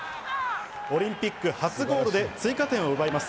オリンピック初ゴールで追加点を奪います。